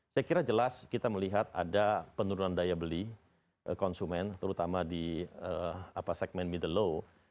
saya kira jelas kita melihat ada penurunan daya beli konsumen terutama di segmen middle